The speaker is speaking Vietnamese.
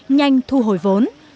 nhanh thu hồi vốn